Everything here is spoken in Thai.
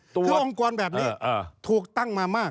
คือองค์กรแบบนี้ถูกตั้งมามาก